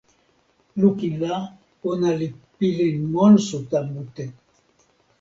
lukin la, ona li pilin monsuta mute.